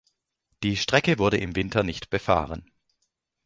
Die Strecke wurde im Winter nicht befahren.